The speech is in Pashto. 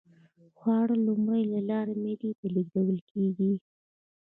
خواړه د مرۍ له لارې معدې ته لیږدول کیږي